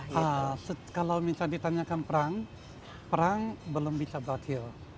karena kalau misalnya ditanyakan perang perang belum bisa berakhir